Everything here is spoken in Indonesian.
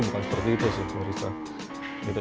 bukan seperti itu sih barista